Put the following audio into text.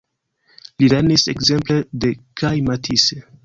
Li lernis ekzemple de kaj Matisse.